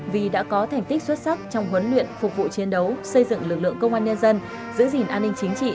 vì đã có thành tích xuất sắc trong huấn luyện phục vụ chiến đấu xây dựng lực lượng công an nhân dân giữ gìn an ninh chính trị